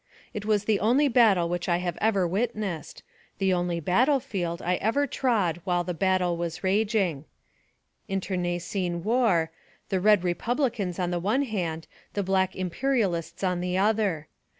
It was the only battle which I have ever witnessed, the only battle field I ever trod while the battle was raging; internecine war; the red republicans on the one hand, and the black imperialists on the other.